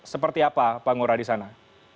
seperti apa pak ngurah di sana